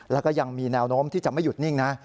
แล้วก็ยังมีแนวโน้มที่จะไม่หยุดนิ่งนะ